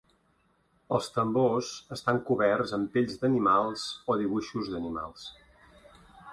Els tambors estan coberts amb pells d'animals o dibuixos d'animals.